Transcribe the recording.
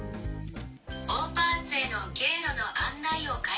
「オーパーツへの経路の案内を開始します」。